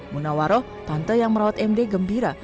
munawaroh tante yang merawat md gembira